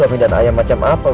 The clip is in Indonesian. suami dan ayah macam apa bro